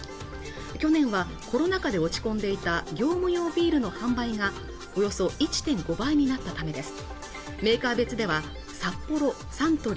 去年はコロナ禍で落ち込んでいた業務用ビールの販売がおよそ１．５倍になったためです